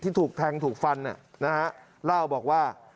ถูกแทงถูกฟันเล่าบอกว่า